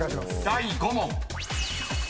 ［第５問］